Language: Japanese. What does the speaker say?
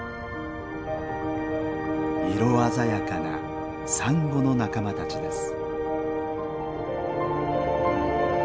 色鮮やかなサンゴの仲間たちです。